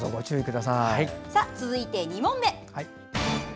続いて、２問目。